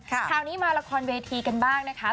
คราวนี้มาละครเวทีกันบ้างนะคะ